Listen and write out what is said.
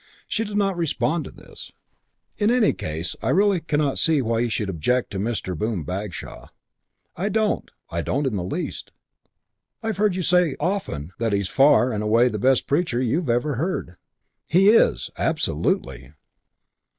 She did not respond to this. "In any case, I really cannot see why you should object to Mr. Boom Bagshaw." "I don't. I don't in the least." "I've heard you say often that he's far and away the best preacher you've ever heard." "He is. Absolutely."